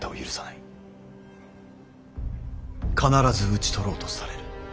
必ず討ち取ろうとされる。